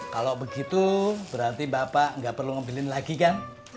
kalau begitu berarti bapak nggak perlu ngebilin lagi kan